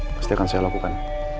pasti akan saya lakukan